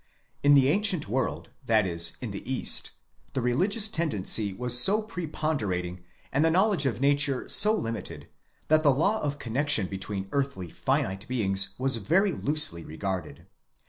In the ancient world, that is, in the east, the religious tendency was so pre ponderating, and the knowledge of nature so limited, that the law of con nexion between earthly finite beings was very loosely regarded.